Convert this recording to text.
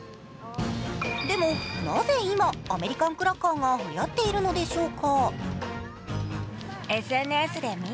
でもなぜ今、アメリカンクラッカーがはやっているのでしょうか。